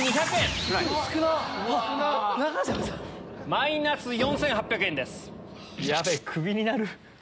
マイナス４８００円です。